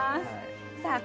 さあ